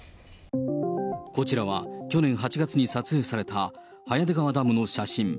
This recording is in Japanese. こちらは去年８月に撮影された早出川ダムの写真。